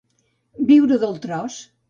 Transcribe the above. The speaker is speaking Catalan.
Viure del tros.